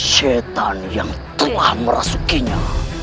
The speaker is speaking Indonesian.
syetan yang telah merasukinya